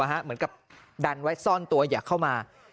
เหมือนกับดันไว้ซ่อนตัวอย่าเข้ามา